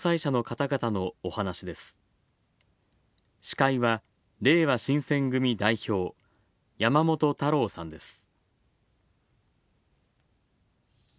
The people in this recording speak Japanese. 司会は、れいわ新選組代表山本太郎さんです。